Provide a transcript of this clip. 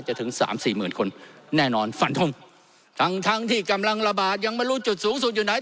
ถึงสามสี่หมื่นคนแน่นอนฝันทงทั้งทั้งที่กำลังระบาดยังไม่รู้จุดสูงสุดอยู่ไหน